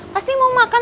pasti mau makan